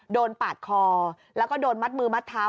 โดนปาดคอและโดนมัดมือมัดเท้า